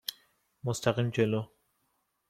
مستقیم جلو.